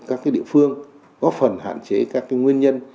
các địa phương góp phần hạn chế các nguyên nhân